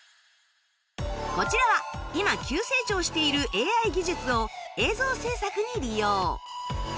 こちらは今急成長している ＡＩ 技術を映像制作に利用